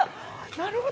なるほど。